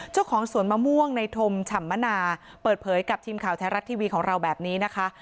เจ้าของสวนมะม่วงในธมฉ่ำมนาเปิดเผยกับทีมข่าวแท้รัฐทีวีของเราแบบนี้นะคะ